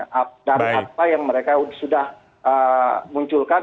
karena apa yang mereka sudah munculkan